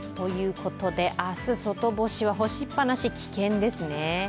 明日、外干しは干しっぱなし危険ですね。